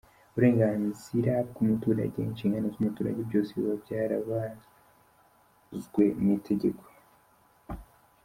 Uburenganzira bw’umuturage, inshingano z’umuturage byose biba byarabazwe mu itegeko.